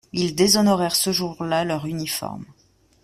Ils déshonorèrent ce jour-là leur uniforme.